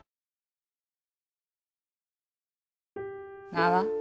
名は。